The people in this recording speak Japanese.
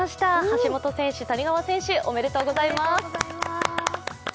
橋本選手、谷川選手、おめでとうございます！